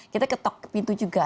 kita ketok pintu juga